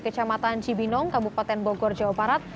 kecamatan cibinong kabupaten bogor jawa barat